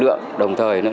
đồng tài đồng tài đồng tài